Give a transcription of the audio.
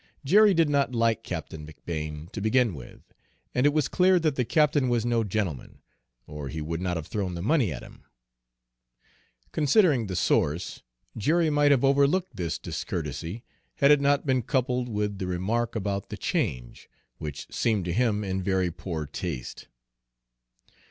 Jerry did not like Captain McBane, to begin with, and it was clear that the captain was no gentleman, or he would not have thrown the money at him. Considering the source, Jerry might have overlooked this discourtesy had it not been coupled with the remark about the change, which seemed to him in very poor taste.